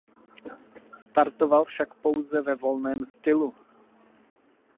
Startoval však pouze ve volném stylu.